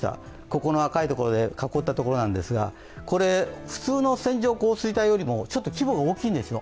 ここの赤く囲ったところですが、これ、普通の線状降水帯よりも規模がちょっと大きいんですよ。